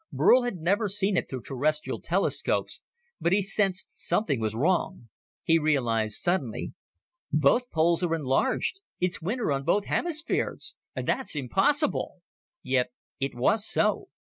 Burl had never seen it through Terrestrial telescopes, but he sensed something was wrong. He realized suddenly, "Both poles are enlarged! It's winter on both hemispheres! And that's impossible!" Yet it was so.